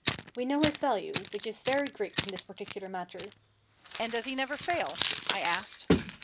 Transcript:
"We know his value, which is very great in this particular matter." "And does he never fail?" I asked.